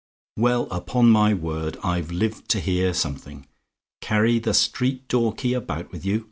"Well, upon my word, I've lived to hear something. Carry the street door key about with you!